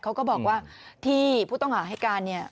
เขาก็บอกว่าที่ผู้ต้องหาให้การเนี่ย